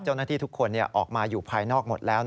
เจ้าหน้าที่ทุกคนออกมาอยู่ภายนอกหมดแล้ว